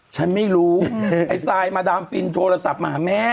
ฉันไม่รู้ไอ้ซายมาดามปินโทรศัพท์มาหาแม่